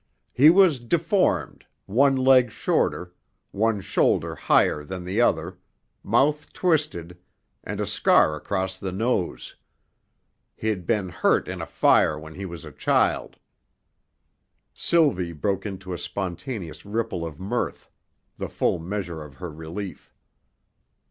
He was deformed, one leg shorter, one shoulder higher than the other, mouth twisted, and a scar across the nose. He'd been hurt in a fire when he was a child " Sylvie broke into a spontaneous ripple of mirth, the full measure of her relief.